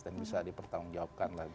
dan bisa dipertanggungjawabkan